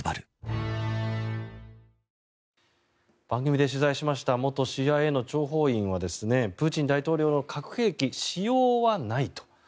番組で取材しました元ＣＩＡの諜報員はプーチン大統領の核兵器使用はないと。